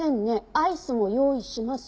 「アイスも用意します」